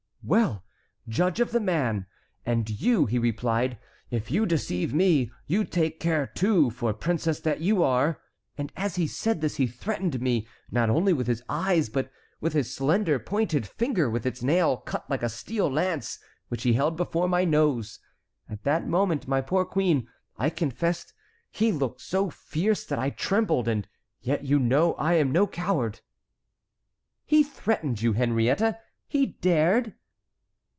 "Well, judge of the man! 'And you,' he replied, 'if you deceive me, you take care too, for, princess that you are'—and as he said this he threatened me not only with his eyes, but with his slender pointed finger, with its nail cut like a steel lance, which he held before my nose. At that moment, my poor queen, I confess he looked so fierce that I trembled, and yet you know I am no coward." "He threatened you, Henriette, he dared?"